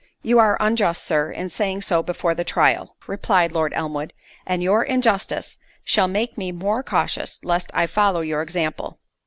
"You are unjust, Sir, in saying so before the trial," replied Lord Elmwood, "and your injustice shall make me more cautious, lest I follow your example."